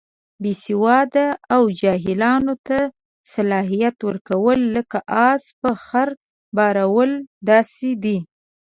بې سواده او جاهلانو ته صلاحیت ورکول، لکه اس په خره بارول داسې دي.